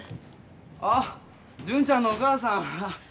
あっ純ちゃんのお母さん。